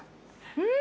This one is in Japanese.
うん。